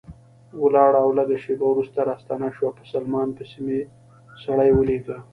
ولاړه او لږ شېبه وروسته راستنه شوه، په سلمان پسې مې سړی ولېږه.